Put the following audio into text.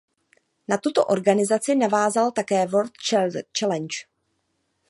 Na tuto organizaci navázala také World Challenge.